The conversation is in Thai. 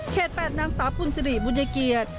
เขตแปดนางสาวภูมิสิริบุญเกียจ